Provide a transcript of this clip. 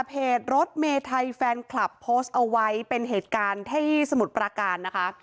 เพจรถเมไทยแฟนคลับโพสต์เอาไว้เป็นเหตุการณ์ที่สมุทรปราการนะคะ